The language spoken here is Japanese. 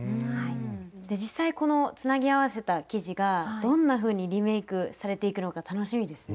で実際このつなぎ合わせた生地がどんなふうにリメイクされていくのか楽しみですね。